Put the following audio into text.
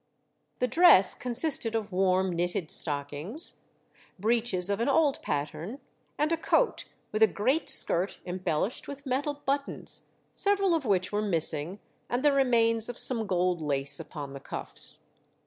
The dress consisted of warm knitted stockings, breeches of an old pattern, and a coat with a great skirt embellished with metal buttons, several of which were missing, and the remains of some gold lace upon the cuffs.